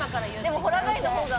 でもほら貝の方が。